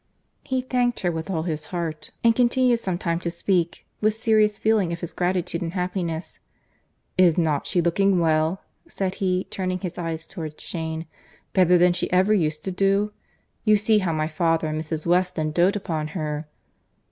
He thanked her with all his heart, and continued some time to speak with serious feeling of his gratitude and happiness. "Is not she looking well?" said he, turning his eyes towards Jane. "Better than she ever used to do?—You see how my father and Mrs. Weston doat upon her."